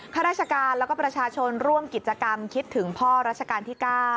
ข้าราชการแล้วก็ประชาชนร่วมกิจกรรมคิดถึงพ่อรัชกาลที่๙